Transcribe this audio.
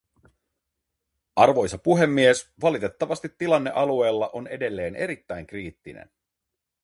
Arvoisa puhemies, valitettavasti tilanne alueella on edelleen erittäin kriittinen.